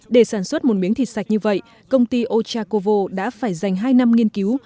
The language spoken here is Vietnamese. để sản xuất một miếng thịt sạch như vậy công ty ochakovo đã phải dành hai năm nghiên cứu